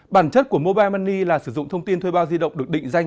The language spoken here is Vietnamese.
bản chất của mobile money là sử dụng thông tin thuê bao di động được định danh